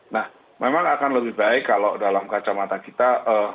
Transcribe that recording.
nah memang akan lebih baik kalau dalam kacamata kita